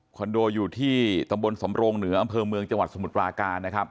โดอยู่ที่ตำบลสำโรงเหนืออำเภอเมืองจังหวัดสมุทรปราการนะครับ